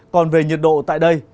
còn về nhiệt độ tại đây